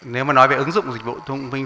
nếu mà nói về ứng dụng dịch vụ thông minh